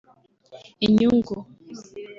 inyungu